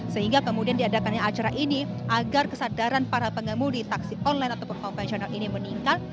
sehingga kemudian diadakannya acara ini agar kesadaran para pengemudi taksi online ataupun konvensional ini meningkat